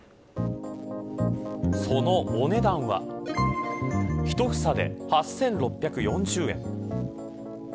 そのお値段は１房で８６４０円。